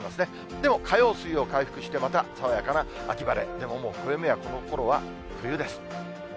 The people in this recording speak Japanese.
でも、火曜、水曜、回復して、また爽やかな秋晴れ、でももう暦はこのころは冬です。